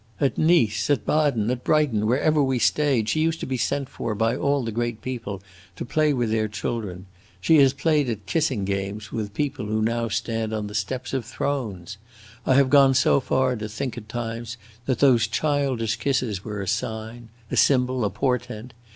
At Nice, at Baden, at Brighton, wherever we stayed, she used to be sent for by all the great people to play with their children. She has played at kissing games with people who now stand on the steps of thrones! I have gone so far as to think at times that those childish kisses were a sign a symbol a portent.